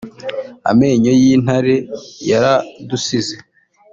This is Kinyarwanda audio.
Amenyo y’intare yaradusize